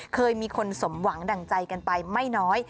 เคยมีคนสมหวังดั่งใจกันไปไม่น้อย